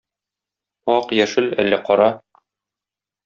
Ак, яшел, әллә кара.